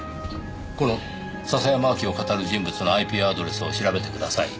この笹山明希をかたる人物のＩＰアドレスを調べてください。